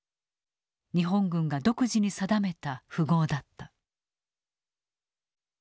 日本軍が独自に定めた符号だった。